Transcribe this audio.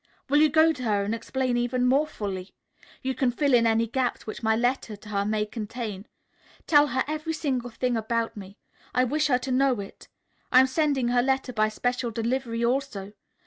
Will you go to her and explain even more fully? You can fill in any gaps which my letter to her may contain. Tell her every single thing about me. I wish her to know it. I am sending her letter by special delivery also.